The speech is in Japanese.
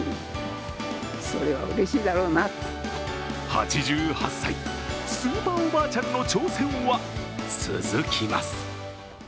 ８８歳、スーパーおばあちゃんの挑戦は続きます。